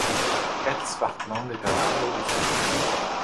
Het Zwartland est un hameau de ce village.